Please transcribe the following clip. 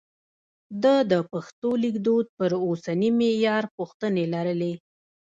ده د پښتو لیکدود پر اوسني معیار پوښتنې لرلې.